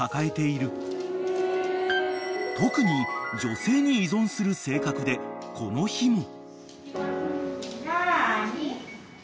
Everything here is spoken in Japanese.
［特に女性に依存する性格でこの日も］